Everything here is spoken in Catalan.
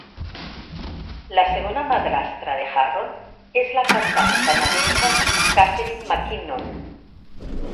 La segona madrastra de Harron és la cantant canadenca Catherine McKinnon.